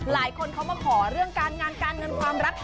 หลายคนเขามาขอเรื่องการงานการเงินความรัก